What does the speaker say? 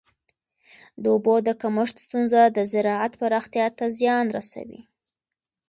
د اوبو د کمښت ستونزه د زراعت پراختیا ته زیان رسوي.